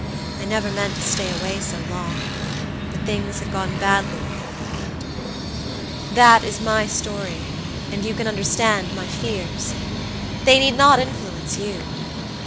I never meant to stay away so long, but things have gone badly with him in England. That is my story, and you can understand my fears. They need not influence you.